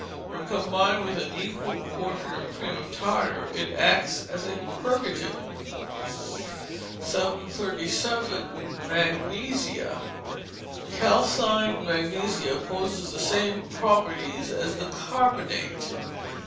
When combined with an equal proportion of cream of tartar, it acts as a purgative. 737. Magnesia. Calcined magnesia possesses the same properties as the carbonate.